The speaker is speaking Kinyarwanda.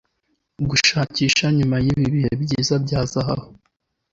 Gushakisha nyuma yibi bihe byiza bya zahabu